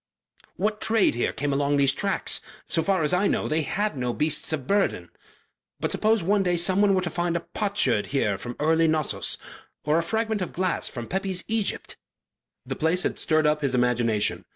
"What trade came here along these tracks? So far as I know, they had no beasts of burthen. But suppose one day someone were to find a potsherd here from early Knossos, or a fragment of glass from Pepi's Egypt." The place had stirred up his imagination.